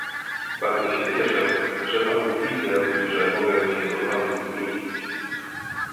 Bardzo się cieszę, że panów widzę i że mogę się do panów zwrócić